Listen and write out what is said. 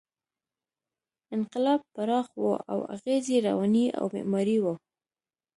انقلاب پراخ و او اغېز یې رواني او معماري و.